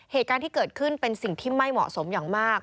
เหตุการณ์ที่เกิดขึ้นเป็นสิ่งที่ไม่เหมาะสมอย่างมาก